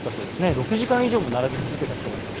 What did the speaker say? ６時間以上も並び続けた人がいると。